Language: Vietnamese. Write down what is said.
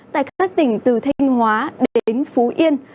tại các tỉnh từ thanh hóa đến phú yên